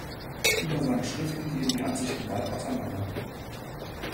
Über seine Schriften gehen die Ansichten weit auseinander.